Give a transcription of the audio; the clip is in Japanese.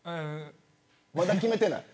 まだ決めてない。